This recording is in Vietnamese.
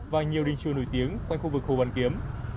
và nhiều đình chùa nổi tiếng quanh khu vực hồ hoàn kiếm